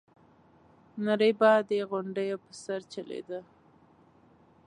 نری باد د غونډيو په سر چلېده.